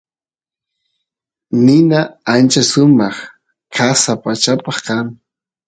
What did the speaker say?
nina ancha sumaq qasa pachapa kan